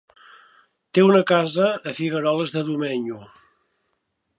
Té una casa a Figueroles de Domenyo.